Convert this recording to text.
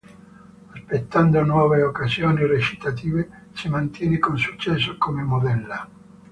Aspettando nuove occasioni recitative, si mantiene con successo come modella.